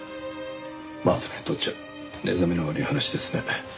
松野にとっちゃ寝覚めの悪い話ですね。